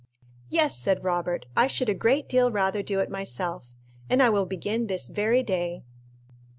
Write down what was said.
"Yes," said Robert, "I should a great deal rather do it myself, and I will begin this very day."